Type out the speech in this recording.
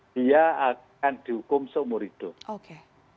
dia akan dihukum seumur hidup